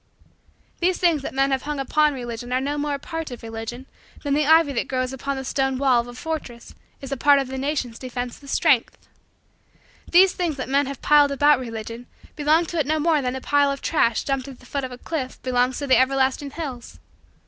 These things that men have hung upon Religion are no more a part of Religion than the ivy that grows upon the stone wall of a fortress is a part of the nation's defensive strength. These things that men have piled about Religion belong to it no more than a pile of trash dumped at the foot of a cliff belongs to the everlasting hills.